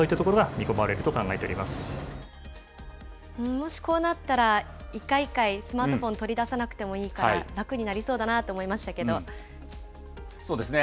もしこうなったら、一回一回スマートフォン取り出さなくてもいいから、楽になりそうそうですね。